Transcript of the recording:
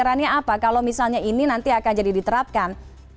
harapannya apa kalau misalnya ini nanti akan jadi diterapkan